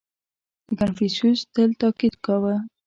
• کنفوسیوس تل تأکید کاوه.